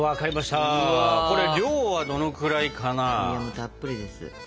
たっぷりです。